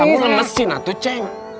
kamu kan mesin atu ceng